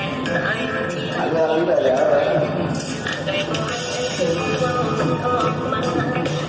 อังกฤษไว้ในสิ่งว่ามันก็ออกมาแล้ว